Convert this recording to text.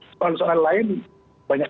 soal soal lain banyak